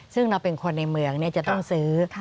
ซึ่งเราเป็นคนในเมืองจะต้องซื้อ